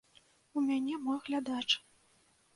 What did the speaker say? У мяне мой глядач.